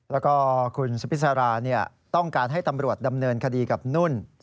แล้วก็คุณสุพิษราต้องการให้ตำรวจดำเนินคดีกับนุ่น